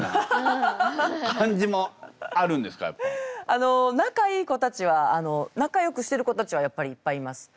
あの仲いい子たちはなかよくしてる子たちはやっぱりいっぱいいます。